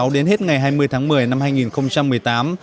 đến hết ngày hai mươi tháng một mươi năm hai nghìn một mươi tám